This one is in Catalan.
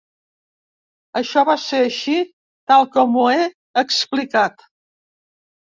Això va ser així tal com ho he explicat.